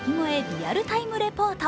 リアルタイムレポート。